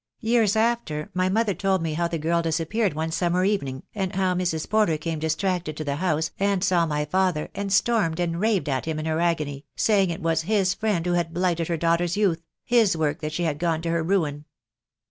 Years after, my mother told me how the girl disappeared one summer evening, and how Mrs. Porter came distracted to the house, and saw my father, and stormed and raved at him in her agony, saying it was his friend who had blighted her daughter's youth — his work that she had gone to her ruin.